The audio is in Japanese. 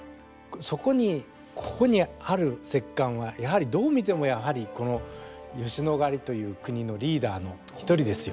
そこに、ここにある石棺はやはり、どう見ても吉野ヶ里という国のリーダーの１人ですよ。